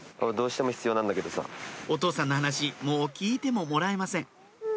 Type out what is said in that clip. お父さんの話もう聞いてももらえません